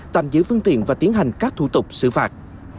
tạm giữ phương tiện và tiến hành các thủ tục xử phạt